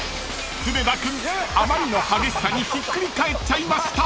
［常田君あまりの激しさにひっくり返っちゃいました］